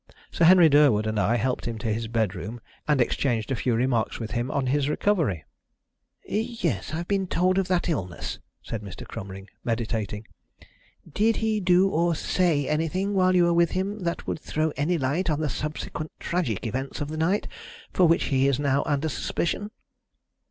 Sir Henry Durwood and I helped him to his bedroom, and exchanged a few remarks with him on his recovery." "Yes, I've been told of that illness," said Mr. Cromering, meditating. "Did he do or say anything while you were with him that would throw any light on the subsequent tragic events of the night, for which he is now under suspicion?"